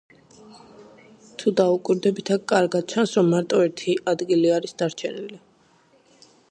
თუ დავუკვირდებით აქ კარგად ჩანს, რომ მარტო ერთი ადგილი არის დარჩენილი.